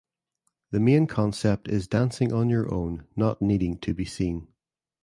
The main concept is dancing on your own not needing to be seen.